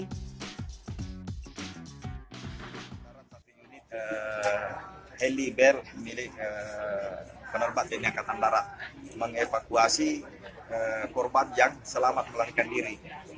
satu unit heliber milik penerbat tni angkatan darat mengevakuasi korban yang selamat melarikan diri